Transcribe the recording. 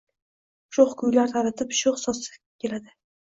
Sho‘x kuylar taratib sho‘x soz keladi